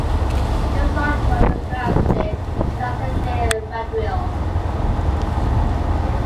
This article describes Saint-Lazare-de-Vaudreuil.